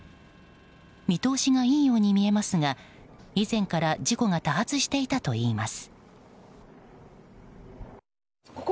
見通しがいいように見えますが以前から事故が多発していたといいます。